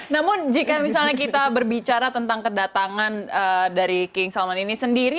namun jika misalnya kita berbicara tentang kedatangan dari king salman ini sendiri